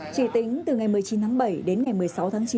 chỉ tính từ ngày một mươi chín tháng bảy đến ngày một mươi sáu tháng chín